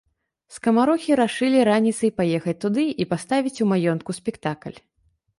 Скамарохі рашылі раніцай паехаць туды і паставіць у маёнтку спектакль.